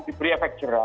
diberi efek cerah